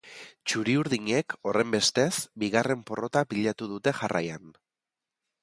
Txuri-urdinek, horrenbestez, bigarren porrota pilatu dute jarraian.